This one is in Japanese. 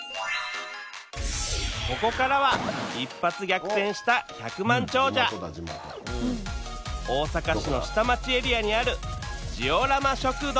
ここからは一発逆転した百万長者大阪市の下町エリアにあるジオラマ食堂